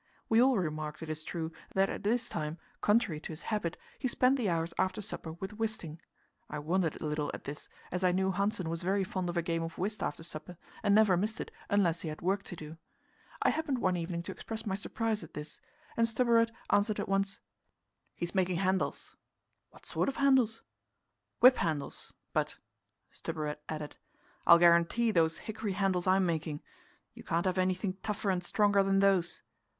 We all remarked, it is true, that at this time, contrary to his habit, he spent the hours after supper with Wisting. I wondered a little at this, as I knew Hanssen was very fond of a game of whist after supper, and never missed it unless he had work to do. I happened one evening to express my surprise at this, and Stubberud answered at once: "He's making handles." "What sort of handles?" "Whip handles; but," Stubberud added, "I'll guarantee those hickory handles I'm making. You can't have anything tougher and stronger than those."